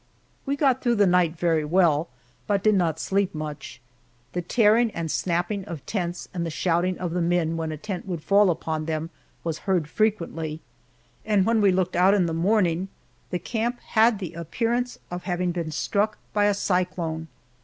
We got through the night very well, but did not sleep much. The tearing and snapping of tents, and the shouting of the men when a tent would fall upon them was heard frequently, and when we looked out in the morning the camp had the appearance of having been struck by a cyclone!